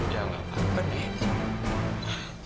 ya gak apa apa nek